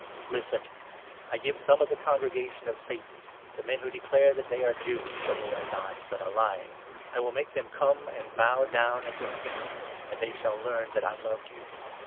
Listen, I 9 give some of the Congregation of Satan, the men who declare that they are Jews, though they are not, but are lying 1 will make them ' come and bow down at your feet,' and they shall learn that I loved you.